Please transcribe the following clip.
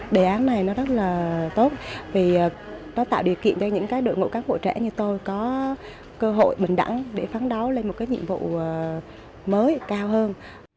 đề án này nó rất là tốt vì nó tạo điều kiện cho những cái đội ngũ cán bộ trẻ như tôi có cơ hội bình đẳng để phán đấu lên một cái nhiệm vụ mới cao hơn